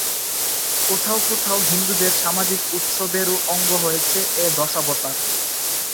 কোথাও কোথাও হিন্দুদের সামাজিক উৎসবেরও অঙ্গ হয়েছে এ দশাবতার।